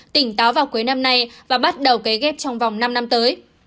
tỉnh táo vào cuối năm nay và bắt đầu cấy ghép trong vòng năm năm tới